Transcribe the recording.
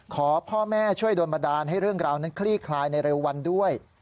ขอพ่อแม่ช่วยโดนบันดาลให้เรื่องราวนั้นคลี่คลายในเร็ววันด้วย